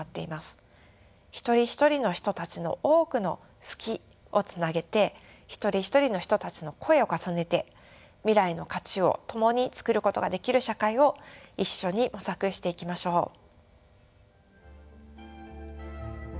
一人一人の人たちの多くの「好き」をつなげて一人一人の人たちの声を重ねて未来の価値を共に創ることができる社会を一緒に模索していきましょう。